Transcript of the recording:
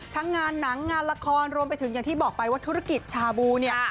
ทั้งงานหนังงานละครรวมไปถึงอย่างที่บอกไปว่าธุรกิจชาบูเนี่ย